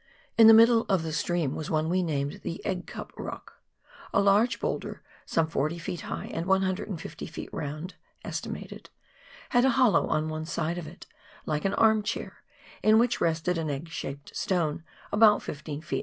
In the middle of the stream was one we named the " Egg Cup" Rock. A large boulder, some 40 ft. high, and 150 ft. round (estimated), had a hollow on one side of it, like an arm chair, in which rested an egg shaped stone about 15 ft.